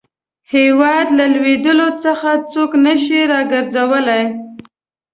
هیواد له لوېدلو څخه څوک نه شي را ګرځولای.